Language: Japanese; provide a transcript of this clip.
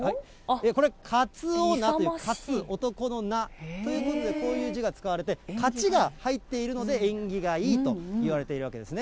これ、勝男菜という、勝つ男の菜、ということでこういう字が使われて、勝ちが入っているので縁起がいいといわれているわけですね。